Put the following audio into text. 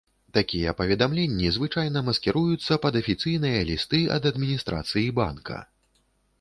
Такія паведамленні звычайна маскіруюцца пад афіцыйныя лісты ад адміністрацыі банка.